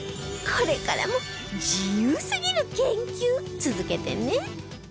これからも自由すぎる研究続けてね